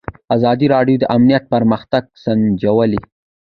ازادي راډیو د امنیت پرمختګ سنجولی.